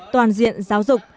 toàn diện giáo dục